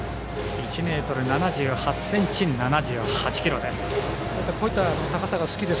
１ｍ７８ｃｍ、７８ｋｇです。